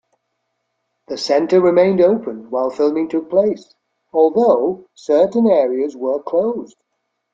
The center remained open while filming took place, although certain areas were closed.